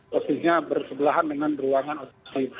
posisinya bersebelahan dengan ruangan otopsi